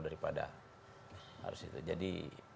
daripada harus itu jadi